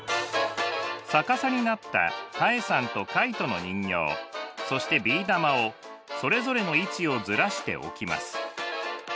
逆さになったタエさんとカイトの人形そしてビー玉をそれぞれの位置をずらして置きます。